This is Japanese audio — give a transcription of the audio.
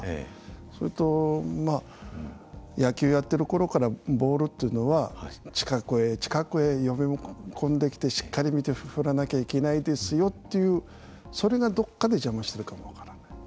それと野球やってるころからボールっていうのは近くへ近くへ呼び込んできてしっかり見て振らなきゃいけないですよっていうそれがどっかで邪魔してるかも分からない。